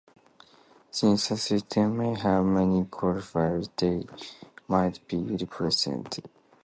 Since a system may have many Qualifiers they might be represented using a Hierarchy.